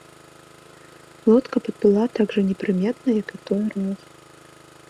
Лодка падплыла так жа непрыметна, як і той раз.